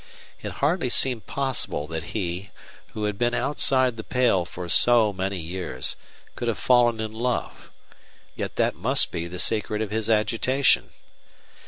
It hardly seemed possible that he, who had been outside the pale for so many years, could have fallen in love. Yet that must be the secret of his agitation.